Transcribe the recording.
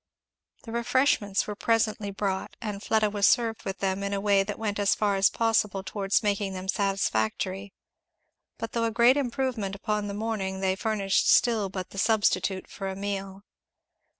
The refreshments were presently brought, and Fleda was served with them in a way that went as far as possible towards making them satisfactory; but though a great improvement upon the morning they furnished still but the substitute for a meal.